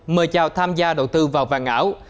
mời chào tham gia đầu tư vào vàng ảo